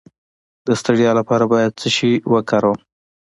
د ستړیا لپاره باید څه شی وکاروم؟